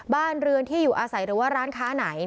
บ้านเรือนที่อยู่อาศัยหรือว่าร้านค้าไหน